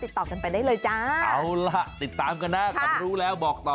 ติดต่อกันไปได้เลยจ้ะ